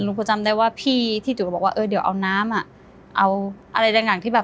หนูก็จำได้ว่าพี่ที่จุดบอกว่าเดี๋ยวเอาน้ำอะเอาอะไรดังอย่างที่แบบ